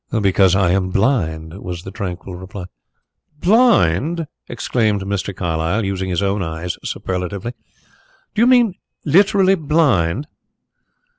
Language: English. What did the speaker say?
"Because I am blind," was the tranquil reply. "Blind!" exclaimed Mr. Carlyle, using his own eyes superlatively. "Do you mean literally blind?"